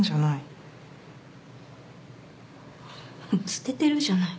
捨ててるじゃない。